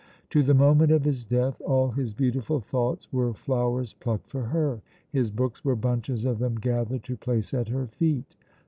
To the moment of his death all his beautiful thoughts were flowers plucked for her; his books were bunches of them gathered to place at her feet.